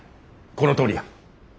このとおりや。